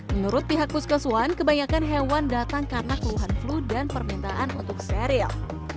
menurut pihak puskesuan kebanyakan hewan datang karena keluhan flu dan permintaan untuk steril